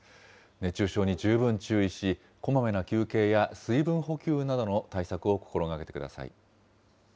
熱中症に十分注意し、こまめな休憩や水分補給などの対策を心がけてください。